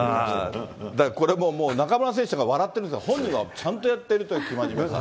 だからこれももう、中村選手なんか笑ってるけど、本人はちゃんとやってるという生真面目さ。